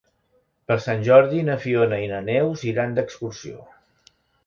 Per Sant Jordi na Fiona i na Neus iran d'excursió.